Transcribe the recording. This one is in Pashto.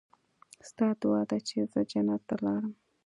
ستا دعا ده چې زه جنت ته لاړم.